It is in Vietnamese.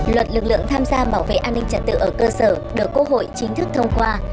luật lực lượng tham gia bảo vệ an ninh trật tự ở cơ sở được quốc hội chính thức thông qua